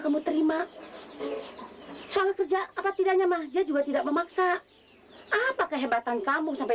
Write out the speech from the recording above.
kamu terima sangat kerja apa tidaknya mah dia juga tidak memaksa apa kehebatan kamu sampai